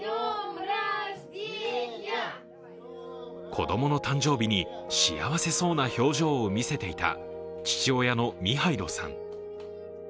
子供の誕生日に幸せそうな表情を見せていた父親のミハイロさん。